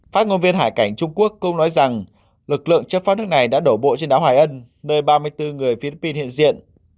phát ngôn viên hải cảnh trung quốc cũng nói rằng lực lượng chấp pháp nước này đã đổ bộ trên đảo hoài ân nơi ba mươi bốn người philippines hiện diện